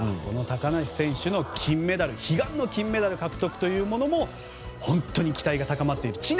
この高梨選手の金メダル悲願の金メダル獲得も本当に期待が高まっている。